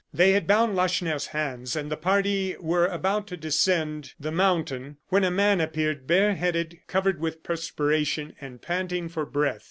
They had bound Lacheneur's hands, and the party were about to descend the mountain, when a man appeared, bareheaded, covered with perspiration, and panting for breath.